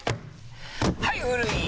はい古い！